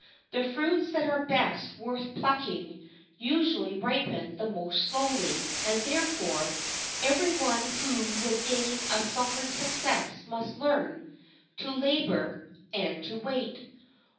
The fruits that are best worth plucking usually ripen the most slowly, and, therefore, every one who would gain a solid success must learn "to labor and to wait."